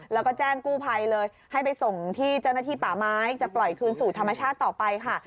แล้วก็แจ้งกู้ภัยเลยให้ไปส่งที่เจ้าหน้าที่ป่าไม้จะปล่อยคืนสู่ธรรมชาติต่อไปค่ะ